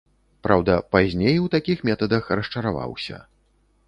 Праўда, пазней у такіх метадах расчараваўся.